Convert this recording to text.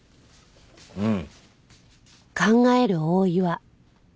うん。